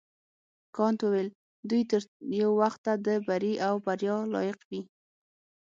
کانت وویل دوی تر یو وخته د بري او بریا لایق وي.